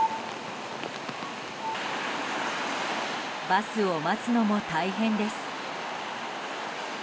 バスを待つのも大変です。